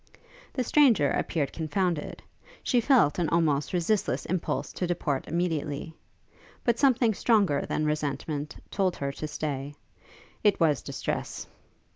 The stranger appeared confounded: she felt an almost resistless impulse to depart immediately; but something stronger than resentment told her to stay: it was distress!